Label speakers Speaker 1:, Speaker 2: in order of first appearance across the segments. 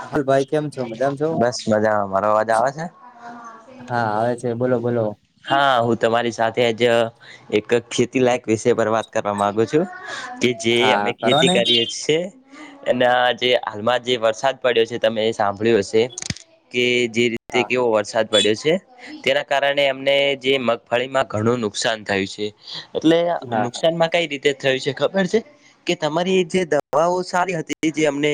Speaker 1: [unintelligible] ભાઈ કેમ? છો મજામાં છો
Speaker 2: બસ મજામાં મારો અવાજ આવે છે?
Speaker 1: હા આવે છે બોલો બોલો
Speaker 2: હા હું તમારી સાથે જ એક ખેતી લાયક વિષય પર વાત કરવા માંગુ છું કે જે અમે
Speaker 1: હા કરો
Speaker 2: ખેતી
Speaker 1: ને
Speaker 2: કરીએ છે એના જે હાલમાં જે વરસાદ પડ્યો છે તમે એ સાંભળ્યું હશે કે જે રીતે
Speaker 1: હા
Speaker 2: કેવો વરસાદ પડ્યો છે તેના કારણે એમને જે મગફળીમાં ઘણું નુકસાન થયું છે એટલે
Speaker 1: હા
Speaker 2: નુકસાનમાં કઈ રીતે થયું છે ખબર છે? કે તમારી જે દવાઓ સારી હતી. જે અમને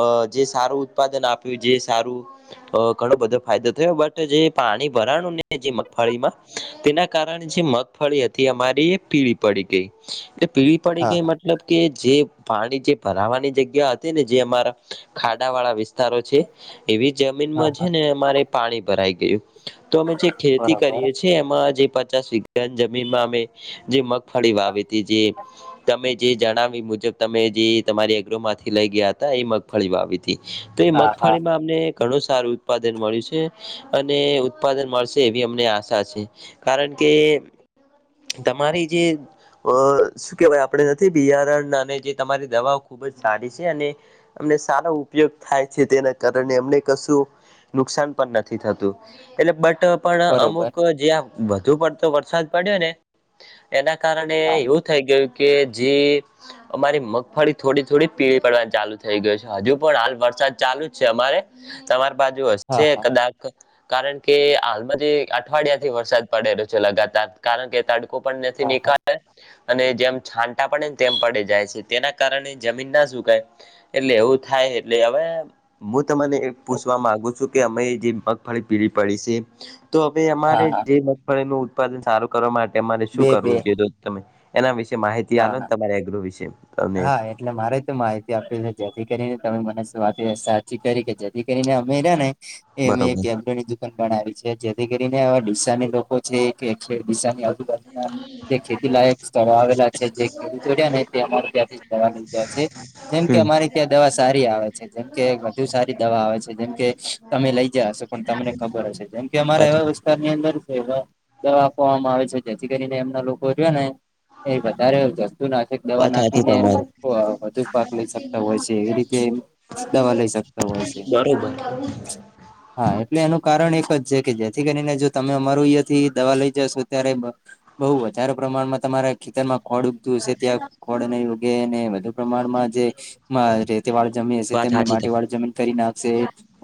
Speaker 2: અ જે સારું ઉત્પાદન આપ્યું. જે સારું અ ઘણો બધો ફાયદો થયો બટ જે પાણી ભરાણું ને, જે મગફળીમાં તેના કારણે જે મગફળી હતી, અમારી એ પીળી પડી ગઈ. જે પીળી પડી
Speaker 1: હા
Speaker 2: ગઈ. મતલબ કે જે પાણી જે ભરાવાની જગ્યા હતીને, જે અમારા ખાડા વાળા વિસ્તારો છે એવી
Speaker 1: હા
Speaker 2: જમીનમાં છે
Speaker 1: હા
Speaker 2: ને, અમારે પાણી ભરાઈ ગયું. તો અમે જે ખેતી
Speaker 1: બરોબર
Speaker 2: કરીએ છીએ. એમાં જે પચાસ વીઘા જમીનમાં અમે જે મગફળી વાવી હતી. જે તમે જે જણાવી. એ મુજબ તમે જે તમારી એગ્રોમાંથી લઇ ગયા હતા, એ મગફળી વાવી હતી. તો એ
Speaker 1: હા હા
Speaker 2: મગફળીમાં અમને ઘણું સારું ઉત્પાદન મળ્યું છે. અને ઉત્પાદન મળશે, એવી અમને આશા છે. કારણ કે તમારી જે અ શું કેહેવાય? આપણે નથી બિયારણ અને જે તમારી દવાઓ ખૂબ જ સારી છે અને અમને સારો ઉપયોગ થાય છે, તેના કારણે અમને કશું નુકસાન પણ નથી થતું. એટલે બટ પણ
Speaker 1: બરોબર
Speaker 2: અમુક જ્યાં વધુ પડતો વરસાદ પડ્યોને, એના કારણે
Speaker 1: હા
Speaker 2: થઈ ગયું, કે જે અમારી મગફળી થોડી થોડી પીળી પડવાની ચાલુ થઈ ગયો છે. હજુ પણ હાલ વરસાદ ચાલુ જ છે. અમારે તમારી બાજુ
Speaker 1: હા
Speaker 2: હશે
Speaker 1: હા
Speaker 2: કદાક કારણ કે હાલમાં જે અઠવાડિયાથી વરસાદ પડેલો છે લઞાતાર. કારણ કે ત [unintelligible] [inaudible]
Speaker 1: હા
Speaker 2: નીકા અને જેમ છાંટા પડેને, તેમ પડે જાય છે. તેના કારણે જમીન ના સુકાય. એટલે એવું થાય. એટલે હવે હું તમને એમ પૂછવા માંગુ છું કે, અમે જે મગફળી પીળી પડી છે. તો હવે,
Speaker 1: હા
Speaker 2: અમારે
Speaker 1: હા
Speaker 2: જે મગફળીનું ઉત્પાદન સારું કરવા માટે અમારે શું
Speaker 1: બે બે
Speaker 2: કરવું જોઈએ, [inaudible] તમે એના વિશે માહિતી
Speaker 1: હા હા
Speaker 2: આલોને, તમે તમારા એગ્રો વિશે અને
Speaker 1: હા, એટલે મારે તો માહિતી આપી છે. જેથી કરી ને, તમે મને [inaudible] સાચી કરી કે જેથી કરીને અમે છે ને,
Speaker 2: બરોબર
Speaker 1: [inaudible] [inaudible] છે જેથી કરીને હવે ડીસાની લોકો છે [inaudible] જે ખેતી લાયક સ્થળો આવેલા છે. જે ખેડૂતો રહ્યાને, તે એમા દવા લઈ [inaudible] છે. જેમ કે
Speaker 2: હમ
Speaker 1: અમારી ત્યાં દવા સારી આવે છે. જેમકે વધુ સારી દવા આવે છે, જેમકે તમે લઈ જયા હશો પણ તમને ખબર હશે. જેમ કે અમારા એવા વિસ્તારની અંદર દવા આપવામાં આવે છે. જેથી કરીને, એમના લોકો રહયાને એ વધારે જંતુનાશક દવા
Speaker 2: વાત
Speaker 1: નાખ- એ
Speaker 2: હાચી
Speaker 1: એમ [inaudible] વધુ પાક લઈ સકતા હોય છે. એવી રીતે
Speaker 2: તમારી
Speaker 1: દવા લઈ શક
Speaker 2: બરોબર.
Speaker 1: હા, એટલે એનું કારણ એક જ છે કે જેથી કરીને, જો તમે અમારું યા થી દવા લઈ જશો, ત્યારે બહુ વધારે પ્રમાણમાં તમારા ખેતર માં ખોડ ઉગતું હશે, ત્યાં ખોડ ને ઉગેને વધુ પ્રમાણમાં જે મા રેતી વાળી જમી હશે.
Speaker 2: વાત
Speaker 1: તેમને
Speaker 2: હાચી
Speaker 1: માટી
Speaker 2: તમારી
Speaker 1: વાડી જમીન કરી ને આપશે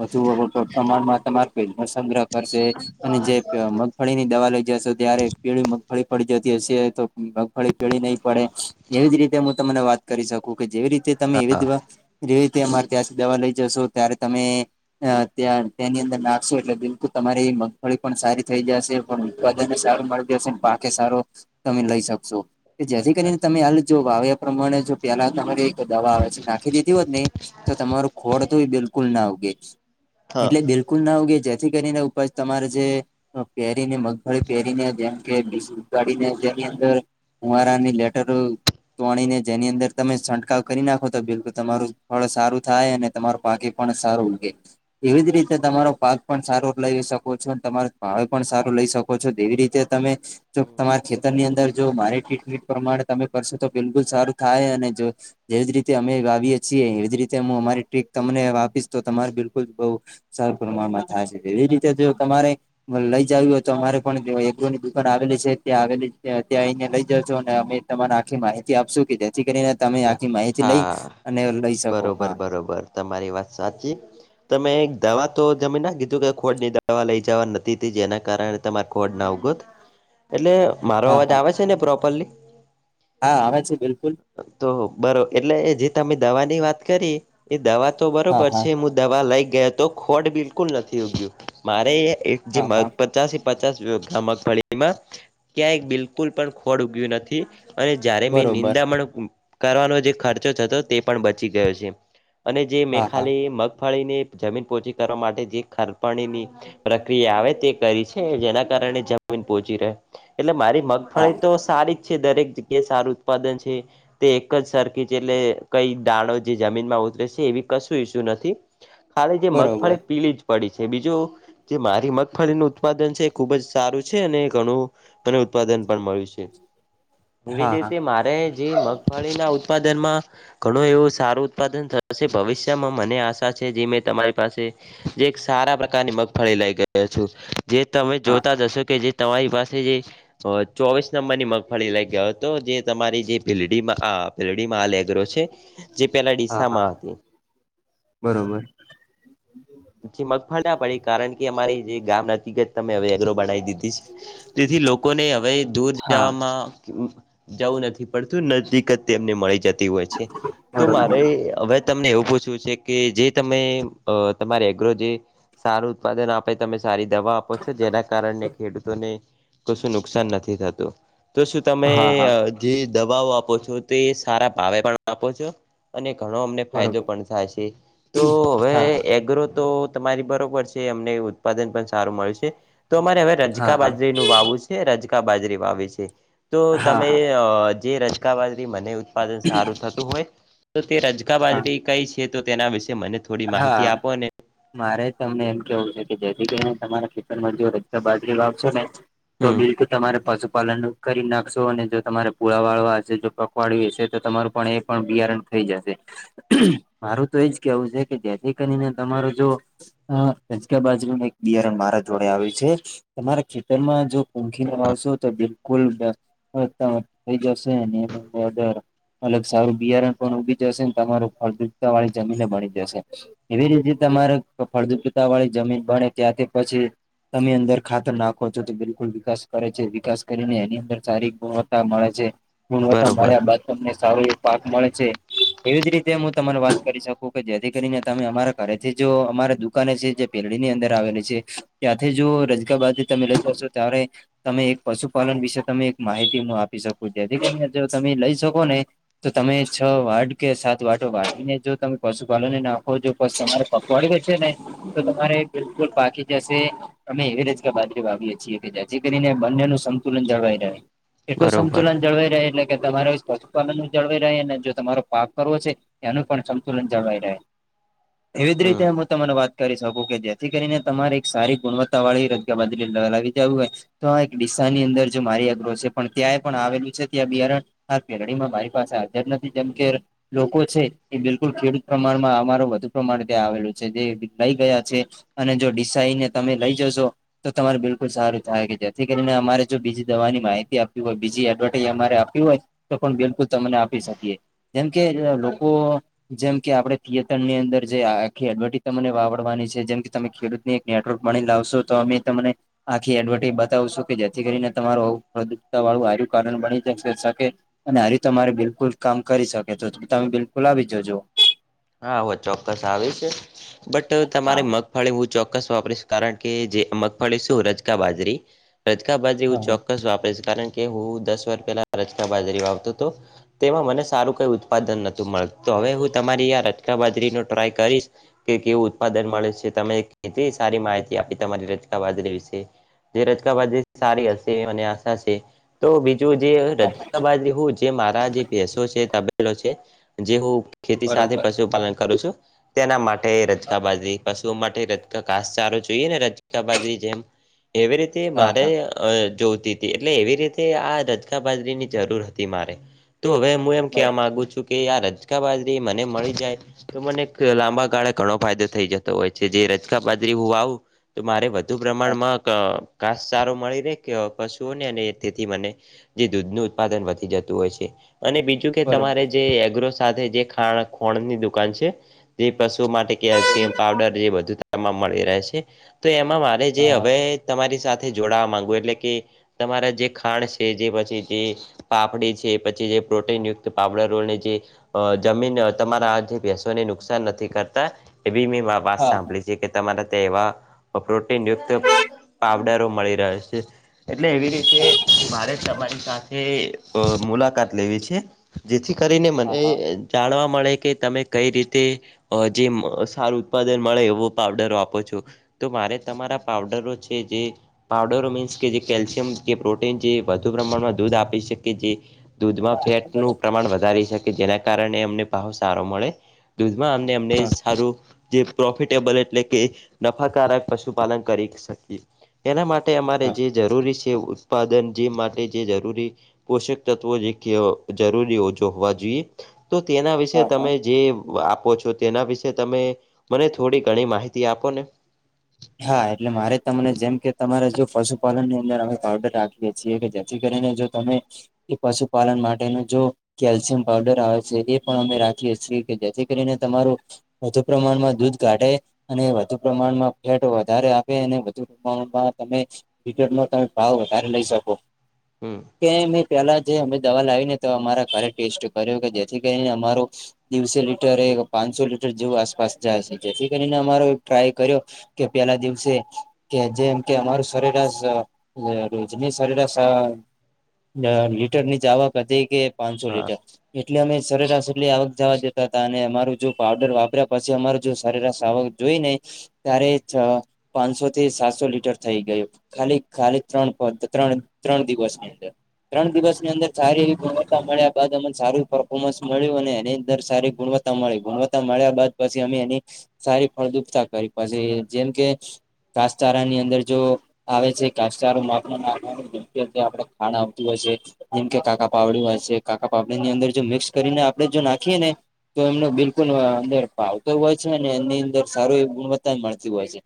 Speaker 1: વધુ [inaudible] [unintelligible] પ્રમાણમાં તમારા પેટમાં સંગ્રહ કરશે. અને જે મગફળીની દવા લઈ જશો ત્યારે પીળી મગફળી પડી જતી હશે, તો મગફળી પીળી નહી પડે. એવી જ રીતે હું તમને વાત કરી શકું કે જેવી રીતે તમે એવી
Speaker 2: હા
Speaker 1: દવા, જેવી રીતે અમારે ત્યાંથી દવા લઈ જશો. ત્યારે તમે ત્યાં તેની અંદર નાખશો, એટલે તમારી મગફળી પણ સારી થઈ જશે. ને સારું મળી દેશે પાકે સારો તમે લઈ શકશો, કે જેથી
Speaker 2: વાત
Speaker 1: કરીને
Speaker 2: હાચી
Speaker 1: તમે હાલ જો વાવે એ પ્રમાણે [inaudible] જો પહેલા તમારે દવા આવે છે. નાખી દીધી હોતને, તો તમારું ખોડ બિલકુલના ઉગે.
Speaker 2: હા
Speaker 1: એટલે બિલકુલ ના ઉગે, જેથી કરીને ઉપજ તમારે જે પહેરીને મગફળી પહેરીને જેમ કે બીજ ઉગાડીને તેની અંદર કુંવારાની લેટ તોણી ને જેની અંદર તમે છંટકાવ કરી, નાખો તો બિલકુલ તમારું ફળ સારું થાય અને તમારો પાકે પણ સારું ઉગે. એવી જ રીતે તમારો પાક પણ સારો લઈ શકો. છો તમાર ભાવે પણ સારું લઈ શકો છો તેવી રીતે તમે, જો
Speaker 2: હમ
Speaker 1: તમારા ખેતરની અંદર જો બાયો ટેકનીક પ્રમાણે તમે કરશો તો બિલકુલ સારું થાય. અને જો જેવી જ રીતે અમે વાવયે છીએ, એવી જ રીતે હું અમારી ટ્રીક તમને આપીસ તમારી બિલકુલ બવુ સર પ્રમાણમાં થાય છે. એવી રીતે જો તમારે લઈ જાવી હોય તો અમારે પણ એગ્રોની દુકાન આવેલી છે. ત્યાં આવેલી ત્યાં આવીને લઈ જા છો અને અમે તમાને આખી માહિતી આપશું કે જેથી કરીને. તમે આખી માહિતી લઈ
Speaker 2: હા
Speaker 1: અને લઈ શકો
Speaker 2: બરોબર
Speaker 1: હા.
Speaker 2: બરોબર તમારી વાત સાચી તમે દવા તો જમી ના કીધું. કે ખોડની દવા લઈ જવા નથી. ત જેના કારણે તમા કોડ ના ઉગત એટલે મારો
Speaker 1: હા
Speaker 2: અવાજ
Speaker 1: હા
Speaker 2: આવે છે, ને પ્રોપરલી.
Speaker 1: હા આવે છે, બિલકુલ.
Speaker 2: તો બરો એટલે જે તમે દવાની વાત કરી, એ દવા તો
Speaker 1: હા
Speaker 2: બરોબર
Speaker 1: હા
Speaker 2: છે. દવા લઈ ગયા તો ખોટ બિલકુલ નથી, ઉગ્યું મારે એક જ
Speaker 1: હા હા
Speaker 2: પચાસે પચાસ મગફળીમાં ક્યાંય બિલકુલ પણ ખોળ ઉગ્યું નથી. અને જ્યારે મેં
Speaker 1: બરોબર
Speaker 2: નિંદામણ કરવાનો, જે ખર્ચો જતો તે પણ બચી ગયો છે. અને જે મેં
Speaker 1: હા હા
Speaker 2: ખાલી મગફળીની જમીન પોચી કરવા. માટે જે ખરપણીની પ્રક્રિયા આવે તે કરી છે, જેના કારણે જમીન પોચી રહે એટલે મારી મગ
Speaker 1: હા
Speaker 2: ફળી તો સારી જ છે, દરેક જગ્યાએ સારું ઉત્પાદન છે. તે એક જ સરર્ખિ એટલે કઈ દાણો જે જમીનમાં ઉતરે છે, એવી કશું ઈછ્યુ નથી. ખાલી જે
Speaker 1: બરોબર
Speaker 2: મગફળી પીલી જ પડી છે, બીજું જે મારી મગફળીનું ઉત્પાદન છે, એ ખુબ જ સારું છે, અને ઘણું ઘણું ઉત્પાદન પણ મળ્યું છે, એવી જ
Speaker 1: હા હા
Speaker 2: રીતે મારે જે મમ ફણીના ઉત્પાદનમાં ઘણું એવું સારું ઉત્પાદન થશે, ભવિષ્યમાં મને આશા છે, જે મેં તમારી પાસે જે એક સારા પ્રકારની મગફળી લઈ ગયો છું. જે તમે જ
Speaker 1: હા
Speaker 2: હશો કે તમારી પાસે જે ચોવીસ નંબરની મગફળી લઈ ગયો હતો, જે તમારી જે ભિલ્ડીમાં આ ભિલડીમાં હાલ એગરો છે, જે પેલા
Speaker 1: હા હા
Speaker 2: ડીસામાં હતી.
Speaker 1: બરોબર,
Speaker 2: મગફળ ના પડી કારણ કે અમારી જે ગામ નજીક જ તમે હવે એગ્રો બનાવી દીધી છે. તેથી લોકોને હવે દૂર
Speaker 1: હા
Speaker 2: જાવામાં જવું નથી પડતું નજક તેમને મળી જતી હોય તો
Speaker 1: બરોબર
Speaker 2: મારે હવે તમને એવું પૂછવું છે કે જે તમે અહ તમારે એગ્રો જે સારું ઉત્પાદન આપે તમે સારી દવા આપો, છો જેના કારને ખેડૂતોને કશું નુકસાન નથી થતું, તો શું તમે
Speaker 1: હા હા
Speaker 2: અહ જે દવાઓ આપો છો, તે સારા ભાવે પણ આપો છો. અને ઘણો અમને ફાયદો
Speaker 1: બરોબર
Speaker 2: પણ થશે, તો હવે
Speaker 1: હા
Speaker 2: એગ્રો તો તમારી બરોબર છે અમને ઉત્પાદન પણ સારું મળે છે તો અમારે હવે
Speaker 1: હા
Speaker 2: રજકા
Speaker 1: હા
Speaker 2: બાજરીનુ વાવવું છે રજકા બાજરી વાવવી છે તો
Speaker 1: હા હા
Speaker 2: તમે અહ જે રજકા બાજરી મને ઉત્પાદન સારું થતું હોય તો તે રજકા
Speaker 1: હા
Speaker 2: બાજરી કઈ છે. તો તેના વિશે મને થોડી માહિતી
Speaker 1: હા
Speaker 2: આપો ને
Speaker 1: મારે તમને એમ કેવું છે કે જેથી કરીને તમારા જો રજકા બાજરી વાવશો ને તો
Speaker 2: હમ
Speaker 1: બિલકુલ તમારે પશુપાલનનુ કરી નાખશો અને જો તમારે પુળા વાળવા હશે પખવાડ્યું હશે તો તમારું પણ એ પણ બિયારણ થઈ જશે. મારું તો એજ કેવું છે કે જેથી કરીને તમારો જો. [unintelligible] બાજુનો એક [unintelligible] મારા જોડે આવી છે. તમારા ખેતરમાં જો [unintelligible] તો બિલકુલ [unintelligible] થઈ જશે અને એનો હળદર અલગ સારું બિયારણ પણ ઉગી જશે ને તમારું ફળદ્વુપતા વાળી જમીન બની જશે. એવી રીતે તમારે ફળદ્વુપતા વાળી જમીન ભણે ત્યાંથી પછી તમે અંદર ખાતર નાખો છો તો બિલકુલ વિકાસ કરે છે વિકાસ કરીને એની અંદર સારી ગુણવત્તા મળે છે. ગુણવતા
Speaker 2: બરોબર
Speaker 1: મળ્યા બાદ. તમને સારું એવું પાક મળે છે એવી જ રીતે હું તને વાત કરી શકું કે જેથી કરીને તમે અમારા ઘરેથી જો અમારા દુકાને છે જે પેરડીની અંદર આવેલી છે ત્યાંથી જો રજકાબાજરી તમે લોકો આવ છો ત્યારે તમે એક પશુપાલન વિશે તમે એક માહિતી હું આપી શકું જેથી કરીને જો તમે લઈ શકો ને. તો તમે છ વાટ કે સાત વાટો જો તમે પશુપાલનને ના [unintelligible] છે ને ને તો તમારે બિલકુલ પાકી જશે. અમે એવી રીતના બાજરી વાવીએ છીએ કે જેથી કરીને બંનેનું સંતુલન જળવાઈ રહે. એટલું
Speaker 2: બરોબર
Speaker 1: સંતુલન જળવાઈ રહે એટલે કે તમારે પશુપાલન બી જળવાઈ રહે અને જો તમારો પાક કરવો છે. ત્યાં નું પણ સંતુલન જળવાઈ રહે. એવી જ
Speaker 2: હમ
Speaker 1: રીતે હું તને વાત કરી શકું કે જેથી કરીને તમારી એક સારી ગુણવત્તા વાળી કે બાજરી દવા લાવી જઉં હોય [unintelligible] તો એક દિશાની અંદર જો મારી એગ્રો છે પણ ત્યાંય પણ આવેલું છે ત્યાં બિયારણ આ [unintelligible] મારી પાસે હાજર નથી જેમ કે લોકો છે એ બિલકુલ ખેડૂત પ્રમાણમાં અમારો વધ જો પ્રમાણે આવેલું છે જે લઈ ગયા છે અને જો ડીસા આઈ ને તમે લઈ જશો. તો તમારે બિલકુલ સારું થાય કે જેથી કરીને અમારે જો બીજી દવાની માહિતી આપી હોય બીજી એડવર્ટાઈઝ અમારે આપવી હોય. તો પણ બિલકુલ તમને આપી શકીએ જેમ કે લોકો જેમ કે આપણે થિયેટરની અંદર જે આખી તમને વાવડવાની છે જેમ કે તમે ખેડૂતને એક નેટવર્ક બનાવી લાવશો તો અમે તમને આખી એડવરટાઈઝ બતાવશું કે જેથી કરીને તમારું ફળદ્રુપતા વાળું કારણ બની‌ શકે. અને આવી રીતે તમારે બિલકુલ કામ કરી શકે જો તો તમે બિલકુલ આવી જજો.
Speaker 2: હા હું ચોક્કસ આવીશ બટ તમારે
Speaker 1: હા
Speaker 2: મગ ફળી હું ચોક્કસ વાપરીશ કારણ કે જે મગફળી શું રજકા બાજરી રજકા બાજરી હું ચો
Speaker 1: હા
Speaker 2: ચોક્કસ વાપરીશ કારણ કે હું દસ વર્ષ પેલા રચકા બાજરી વાવતો હતો. તેમાં મને સારું કઈ ઉત્પાદન નતું મળતું તો હવે હું તમારી આ રચકા બાજરી નો ટ્રાય કરીશ. કે કેવું ઉત્પાદન મળે છે તમે કેટલી સારી માહિતી આપી તમારી રચકા બાજરી વિશે. જે રચકા બાજરી સારી હશે એવી મને આશા છે. તો બીજું જે રચકા બાજરી હોય જે મારા જે ભેસો છે તબેલો છે જે હું ખેતી સાથે
Speaker 1: બરોબર
Speaker 2: પશુપાલન કરું છું તેના માટે એ રચકા બાજરી. પશુઓ માટે રચકા ઘાસચારો જોઈએ ને રચકા બાજરી જેમ એવી રીતે
Speaker 1: હા
Speaker 2: મારે
Speaker 1: હા
Speaker 2: અ જોતી હતી એટલે એવી રીતે આ રચકા બાજરીની જરૂર હતી મારે તો હવે હું એમ કેવા
Speaker 1: બરોબર
Speaker 2: માગુ છું કે આ રચકા બાજરી મને મળી. જ્યાય તો મને એક લાંબા ગાળે ઘણો ફાયદો થઈ જતો હોય છે. જે રચકા બાજરી હું વાવું. તો મારે વધુ
Speaker 1: હા
Speaker 2: પ્રમાણમાં ઘાસ સારો મળી રેય [unintelligible] પશુઓને. અને તેથી મને જે દૂધનું ઉત્પાદન વધી જતું હોય છે. અને બીજું કે
Speaker 1: બરોબર
Speaker 2: તમારે જે એગ્રો સાથે જે ખાણ ખોણની દુકાન છે. જે પશુઓ માટે કેલ્શિયમ પાવડર જે બધું મળી રહે છે. તો એમાં મે જે
Speaker 1: હા હા
Speaker 2: અવે તમારી સાથે જોડાવા માંગુ એટલે કે. તમારા જે ખાંણ છે. જે પછી જે પાપડી છે. પછી જે પ્રોટીન યુક્ત પાવડરોની જે અ જમીન તમારા આ જે ભેંસોને નુકસાન નથી કરતા. એવી મે વાત
Speaker 1: હા
Speaker 2: સાંભળી છે કે તામાના દેવા અ પ્રોટીન યુક્ત પાવડરો મળી રહે છે. એટલે એવી રીતે મારે તમારી સાથે અ મુલાકાત લેવી છે. જેથી કરીને મને
Speaker 1: હા
Speaker 2: અ
Speaker 1: હા
Speaker 2: જાણવા મળે, કે તમે કઈ રીતે અ જે મ સારું ઉત્પાદન મળે એવો પાવડર વાપરો છો. તો મારે તમારા પાવડરો છે. જે પાવડરો મિન્સ કે જે કેલ્શિયમ કે પ્રોટીન જે વધુ પ્રમાણમાં દૂધ આપી શકે જે દૂધમાં
Speaker 1: હા હા
Speaker 2: ફેટનું પ્રમાણ વધારી શકે, જેના કારણે એમને ભાવ સારો મળે દૂધમાં આમ તમને સારું જે પ્રોફિટેબલ એટલે કે નફાકારક પશુપાલન કરી શકીએ. એના માટે, તે અમારે
Speaker 1: હા
Speaker 2: જે જરૂરી સે એવું ઉત્પાદન જે માટે જે જરૂરી પોષક તત્ત્વો જે કે જરૂરી ઓછો હોવા જોઈએ. તો તેના વિશે.
Speaker 1: હા હા
Speaker 2: તમે જે આપો છો, તેના વિશે તમે મને થોડી ઘણી માહિતી આપો ને.
Speaker 1: હા એટલે મારે તમને જેમ કે, તમારે જો પશુપાલનની અંદર અમે પાવડર રાખીએ છીએ. કે જેથી કરીને જો તમે સ એ પશુપાલન માટેનું જો કેલ્શિયમ પાવડર આવે છે. એ પણ અમે રાખીએ છીએ. કે જેથી કરીને તમારું વધુ પ્રમાણમાં દૂધ કાઢે. અને વધુ પ્રમાણમાં રેટ વધારે આવે અને વધુ પ્રમાણ માં તમે ભાવ વધારે લઈ શકો.
Speaker 2: હમ
Speaker 1: કે મે.. પેલા જે અમે દવા લાવી ને તો, અમારા ઘરે ટેસ્ટ કર્યો કે જેથી કરીને અમારું દિવસે લિટરે પાંચસો લીટર જેવું આસપાસ જાય છે. જેથી કરીને અમારો ટ્રાય કર્યો. કે પેલા દિવસે કે જેમ કે અમારું સરેરાશ અ રોજની સરેરાશ અ અ લીટર ની જાવક હતી કે, પાનસો
Speaker 2: હા
Speaker 1: લીટર. એટલી અમે સરેરાશ એટલી આવક જવા દેતા હતા. અને અમારું જો પાવડર વાપર્યા પછી અમાર જો સરેરાશ આવક જોઈ ને ત્યારે
Speaker 2: હમ
Speaker 1: જ પાનસો થી સાતસો લીટર થઈ ગયું. ખાલી ખાલી ત્રણ-ત્રણ-ત્રણ-ત્રણ દિવસની અંદર ત્રણ દિવસ ની અંદર સારી એવી ગુણવત્તા મળ્યા બાદ અમર સારું ફ્રફોર્મેન્સ મળ્યું. અને એની અંદર સારી ગુણવત્તા તા મળી ગુણવત્તા મળ્યા બાદ પછી અમે એની સારી ફળદ્રુપતા કરી પછી જેમ કે, ઘાસચારણ ની અંદર જો, આવે છે. ઘાસચારો નાખ માં આપણને ખાણ આવતું હોય છે. જેમ કે કાકા પાવડી હોય છે. કાકા પાવડી ની અંદર જો મિક્સ કરીને આપડે જો નાખીએ ને, તો એમને બિલકુલ અંદર પાવતો હોય છે ને, એની અંદર સારું એવી ગુણવત્તા મળે. હોય છે.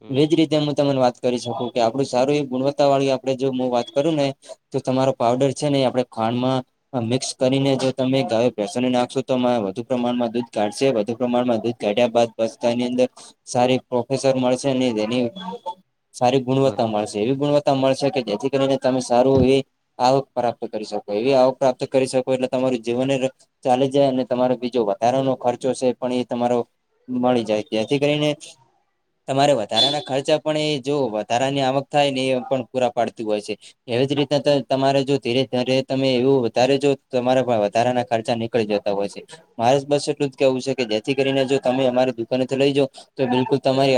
Speaker 2: હમ
Speaker 1: એજ રીતે હું તને વાત કરી શકું. કે આપડું સારું એ ગુણવત્તા વાળી આપડે જો હું વાત કરું ને તો તમારો પાવડર છે ને, આપણે ખાંડ માં અને મિક્સ કરીને જો તમે ગાય, ભેસોને નાખશો તો મ વધુ પ્રમાણમાં દૂધ કાઢશે વધુ પ્રમાણમાં દૂધ કાઢ્યા બાદ બસ્તા ની અંદર સારી પ્રોફેસર મળશે ને તેની સારી
Speaker 2: બર
Speaker 1: ગુણવત્તા મળશે. એવી ગુણવત્તા મળશે કે, જેથી કરીને તમે સારું એ આવક પ્રાપ્ત કરી શકો એવી આવક પ્રાપ્ત કરી શકો એટલે તમારું જીવન રે ચાલે જાય અને તમારો બીજો વધારાનો ખર્ચો છે પણ એ તમારો મળી જાય. જેથી કરીને, તમારે વધારાના ખર્ચા પણ એ જો વધારાની આવક થાય ને એ પણ પૂરા પાડતી હોય છે. એવી જ રીતના ત તમારે જો ધીરે ધીરે તમે એવું વધારે જો તમારા વધારાના ખર્ચા ની કરી જતા હોય છે. મારે બસ એટલું જ કેવું છે કે જેથી કરીને જો તમે અમારી દુકાનેથી લઈ જાવ તો બિલકુલ તમારી